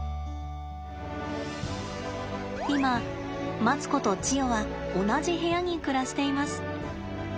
今マツコとチヨは同じ部屋に暮らしています。